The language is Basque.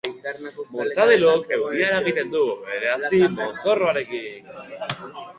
Mortadelok euria eragiten du bere azti mozorroarekin.